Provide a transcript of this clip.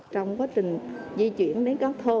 trong quá trình di chuyển đến các thôn